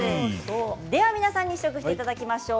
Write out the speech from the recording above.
皆さんに試食していただきましょう。